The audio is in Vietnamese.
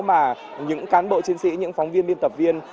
mà những cán bộ chiến sĩ những phóng viên biên tập viên